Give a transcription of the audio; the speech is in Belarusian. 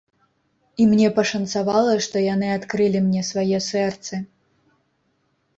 І мне пашанцавала, што яны адкрылі мне свае сэрцы.